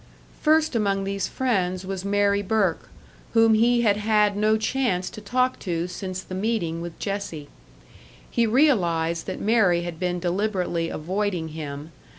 First among these friends was Mary Burke, whom he had had no chance to talk to since the meeting with Jessie. He realised that Mary had been deliberately avoiding him.